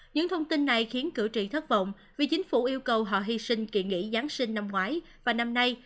những thông tin này khiến cử tri thất vọng vì chính phủ yêu cầu họ hy sinh kỳ nghỉ giáng sinh năm ngoái và năm nay